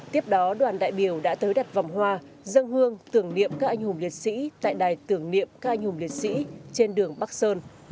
tiếp đó đoàn đại biểu đã tới đặt vòng hoa dân hương tưởng niệm các anh hùng liệt sĩ tại đài tưởng niệm canh hùng liệt sĩ trên đường bắc sơn